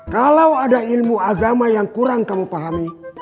kalau ada ilmu agama yang kurang kamu pahami